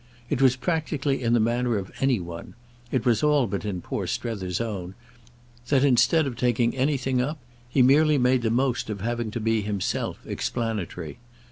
It was practically in the manner of any one—it was all but in poor Strether's own—that instead of taking anything up he merely made the most of having to be himself explanatory.